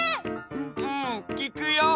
うんきくよ。